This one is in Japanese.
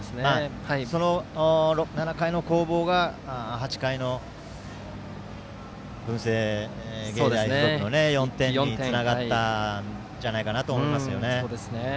その７回の攻防が８回の文星芸大付属の４点につながったんじゃないかと思います。